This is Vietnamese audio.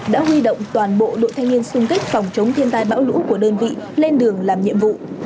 đã huy động toàn bộ đội thanh niên xung kích phòng chống thiên tai bão lũ của đơn vị lên đường làm nhiệm vụ